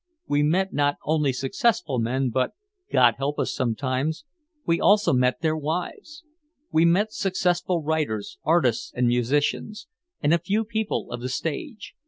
We met not only successful men but (God help us sometimes) we also met their wives. We met successful writers, artists and musicians, and a few people of the stage.